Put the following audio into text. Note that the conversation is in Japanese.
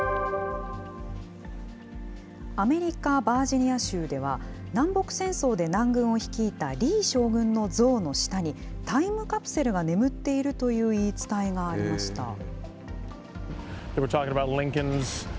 アメリカ・バージニア州では、南北戦争で南軍を率いたリー将軍の像の下に、タイムカプセルが眠っているという言い伝えがありました。